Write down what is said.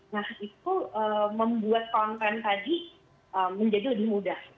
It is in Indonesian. nah itu membuat konten tadi menjadi lebih mudah